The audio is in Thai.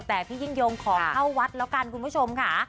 แต่พี่ยิ่งยงขอเข้าวัดแล้วกันคุณผู้ชมค่ะ